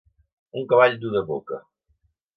Un cavall dur de boca.